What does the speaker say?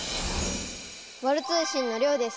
ワル通信のりょうです。